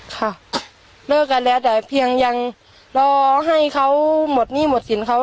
ค่ะเลิกกันแล้วแต่เพียงยังรอให้เขาหมดหนี้หมดสินเขา